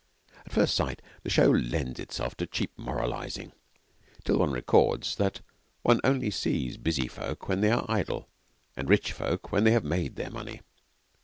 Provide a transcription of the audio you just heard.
At first sight, the show lends itself to cheap moralising, till one recalls that one only sees busy folk when they are idle, and rich folk when they have made their money.